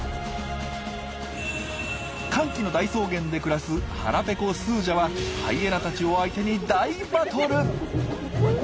乾季の大草原で暮らす腹ペコスージャはハイエナたちを相手に大バトル！